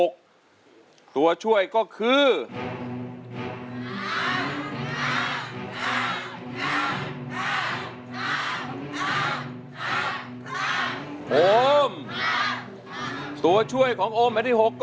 ๖ครับ